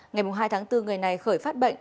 ngày hai tháng bốn người này khởi phát bệnh